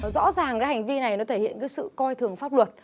rõ ràng cái hành vi này nó thể hiện cái sự coi thường pháp luật